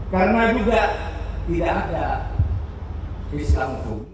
karena juga tidak ada islamofobia